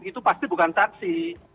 itu pasti bukan saksi